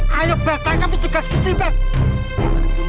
hai berkerja dulu